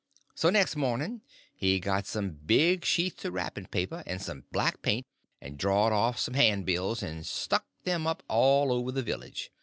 So next morning he got some big sheets of wrapping paper and some black paint, and drawed off some handbills, and stuck them up all over the village.